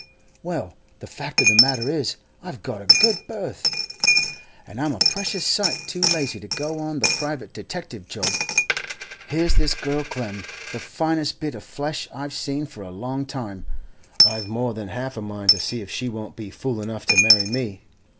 Well, the fact of the matter is, I've got a good berth, and I'm a precious sight too lazy to go on the private detective job. Here's this girl Clem, the finest bit of flesh I've seen for a long time; I've more than half a mind to see if she won't be fool enough to marry me.